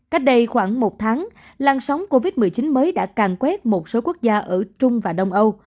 cách đây khoảng một tháng lan sóng covid một mươi chín mới đã càng quét một số quốc gia ở trung và đông âu